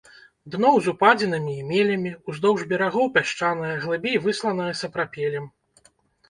Дно з упадзінамі і мелямі, уздоўж берагоў пясчанае, глыбей высланае сапрапелем.